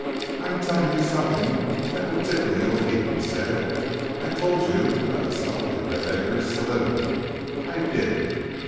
"I'm tellin' you somethin' that will tickle you a heap," he said. "I told you that I had stopped in Red Egger's saloon. I did.